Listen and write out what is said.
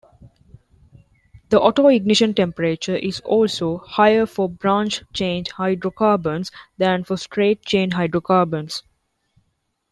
The autoignition temperature is also higher for branched-chain hydrocarbons than for straight-chain hydrocarbons.